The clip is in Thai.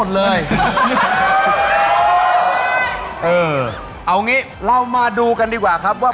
โชคความแม่นแทนนุ่มในศึกที่๒กันแล้วล่ะครับ